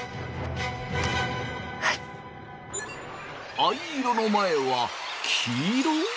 藍色の前は黄色？